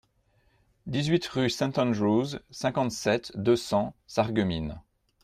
dix-huit rue St Andrews, cinquante-sept, deux cents, Sarreguemines